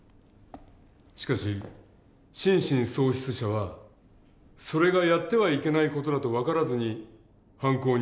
しかし心神喪失者はそれがやってはいけない事だと分からずに犯行に及んでいます。